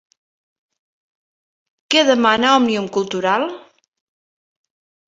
Què demana Òmnium Cultural?